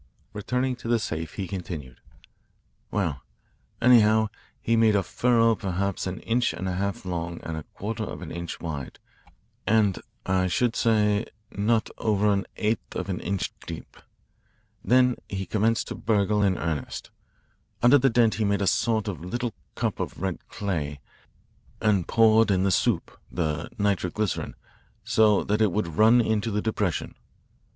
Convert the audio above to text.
Returning to the safe, he continued: "Well, anyhow, he made a furrow perhaps an inch and a half long and a quarter of an inch wide and, I should say, not over an eighth of an inch deep. Then he commenced to burgle in earnest. Under the dent he made a sort of little cup of red clay and poured in the 'soup' the nitroglycerin so that it would run into the depression.